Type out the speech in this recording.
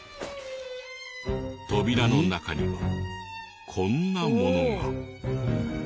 扉の中にはこんなものが。